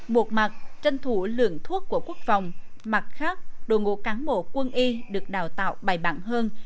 một mặt tranh thủ lượng thuốc của quốc phòng mặt khác đội ngũ cán bộ quân y được đào tạo bài bản hơn